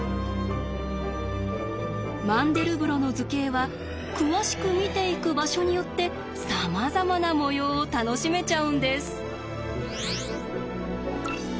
マンデルブロの図形は詳しく見ていく場所によってさまざまな模様を楽しめちゃうんです。